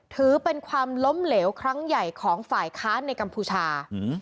ถือเป็นความล้มเหลวครั้งใหญ่ของฝ่ายค้านในกัมพูชา